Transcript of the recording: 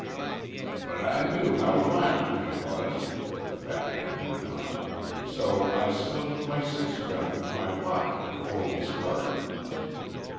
"But I knew how violent he was," the fat man went on. "So I slipped my six gun into my pocket before we started."